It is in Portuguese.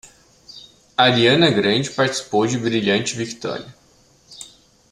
Ariana Grande participou de Brilhante Victória.